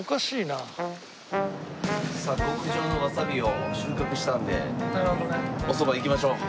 さあ極上のわさびを収穫したのでお蕎麦行きましょう。